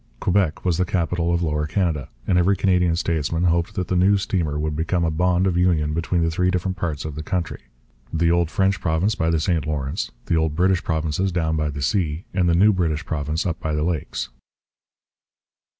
Quebec was the capital of Lower Canada; and every Canadian statesman hoped that the new steamer would become a bond of union between the three different parts of the country the old French province by the St Lawrence, the old British provinces down by the sea, and the new British province up by the Lakes.